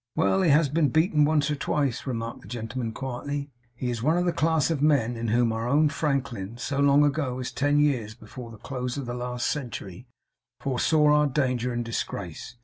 'Well! He has been beaten once or twice,' remarked the gentleman quietly. 'He is one of a class of men, in whom our own Franklin, so long ago as ten years before the close of the last century, foresaw our danger and disgrace.